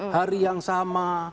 hari yang sama